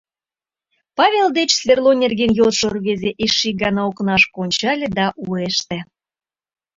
Павел деч сверло нерген йодшо рвезе эше ик гана окнашке ончале да уэште.